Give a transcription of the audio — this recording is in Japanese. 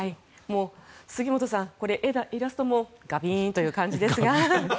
杉本さん、イラストもガビーンという感じですが。